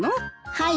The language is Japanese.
はい。